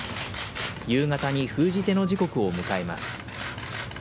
夕方に封じ手の時刻を迎えます。